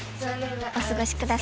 お過ごしください